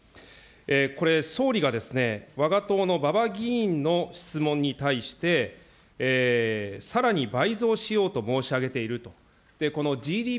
これ、総理がですね、わが党のばば議員の質問に対して、さらに倍増しようと申し上げていると。